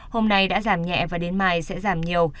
hôm nay đã giảm nhẹ và đến mai sẽ giảm nhiều